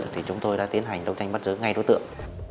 thì chúng tôi đã tiến hành đấu tranh bắt giữ ngay đối tượng